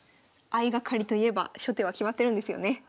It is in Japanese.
相掛かりといえば初手は決まってるんですよね？